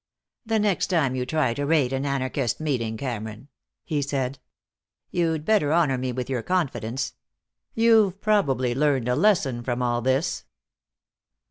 "The next time you try to raid an anarchist meeting, Cameron," he said, "you'd better honor me with your confidence. You've probably learned a lesson from all this."